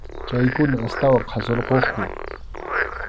Chaykuna astawan qhasurquqku.